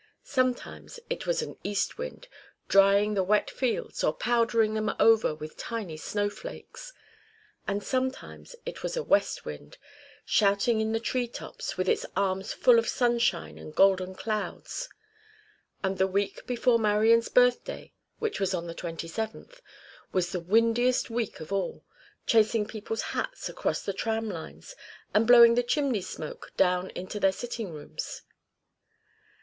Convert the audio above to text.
Sometimes it was an east wind, drying the wet fields or powdering them over with tiny snowflakes; and sometimes it was a west wind, shouting in the tree tops, with its arms full of sunshine and golden clouds; and the week before Marian's birthday, which was on the 27th, was the windiest week of all, chasing people's hats across the tram lines, and blowing the chimney smoke down into their sitting rooms.